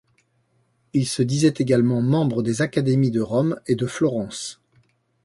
Il se disait également membre des Académies de Rome et de Florence.